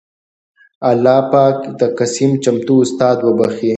اللهٔ پاک د قسيم چمتو استاد وبښي